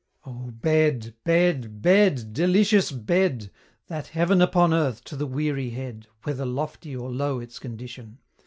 Oh, bed! bed! bed! delicious bed! That heaven upon earth to the weary head, Whether lofty or low its condition!